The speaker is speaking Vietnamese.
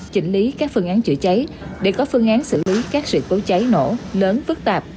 chỉnh lý các phương án chữa cháy để có phương án xử lý các sự cố cháy nổ lớn phức tạp